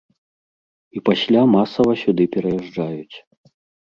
І пасля масава сюды пераязджаюць.